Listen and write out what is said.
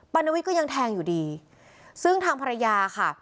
รณวิทย์ก็ยังแทงอยู่ดีซึ่งทางภรรยาค่ะ